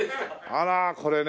あらこれね。